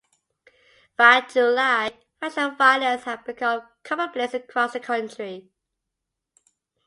By July, factional violence had become commonplace across the country.